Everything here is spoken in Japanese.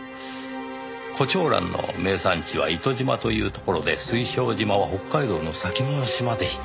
胡蝶蘭の名産地は糸島という所で水晶島は北海道の先の島でした。